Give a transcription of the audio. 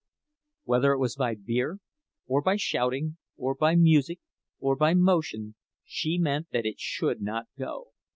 Whether it was by beer, or by shouting, or by music, or by motion, she meant that it should not go.